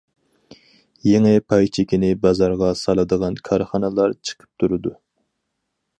يېڭى پاي چېكىنى بازارغا سالىدىغان كارخانىلار چىقىپ تۇرىدۇ.